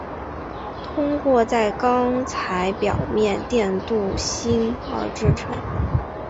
通过在钢材表面电镀锌而制成。